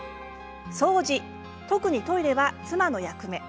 掃除、特にトイレは妻の役目。